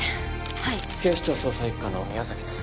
はい警視庁捜査一課の宮崎です